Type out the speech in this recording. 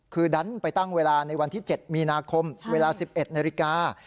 คือดันไปตั้งเวลาในวันที่๗มีนาคมเวลา๑๑นาฬิกา